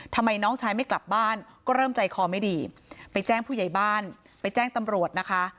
ทำไมน้องชายไม่กลับบ้านก็เริ่มใจคอไม่ดีไปแจ้งผู้ใหญ่บ้านไปแจ้งตำรวจนะคะ